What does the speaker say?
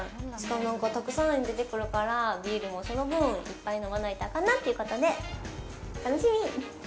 たくさん出てくるから、ビールもその分、いっぱい飲まないとあかんなということで、楽しみ。